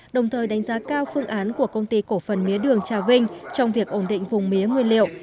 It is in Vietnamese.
đồng thời đánh giá cao phương án của công ty cổ phần mía đường trà vinh trong việc ổn định vùng mía nguyên liệu